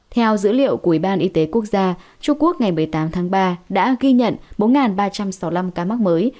theo dữ liệu của ủy ban y tế quốc gia trung quốc ngày một mươi tám tháng ba đã ghi nhận bốn ba trăm sáu mươi năm ca mắc mới